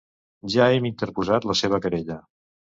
Ja hem interposat la seva querella.